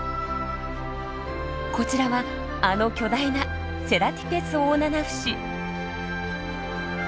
こちらはあの巨大なセラティペスオオナナフシ。